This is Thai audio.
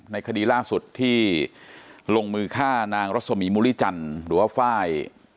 ในคดีล่าสุดที่ลงมือฆ่านางรสมีมุริจันหรือว่าฝ่าย